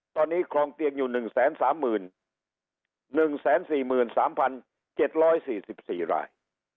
ตอนนี้คลองเตียงอยู่หนึ่งแสนสามหมื่นหนึ่งแสนสี่หมื่นสามพันเจ็ดร้อยสี่สิบสี่ราย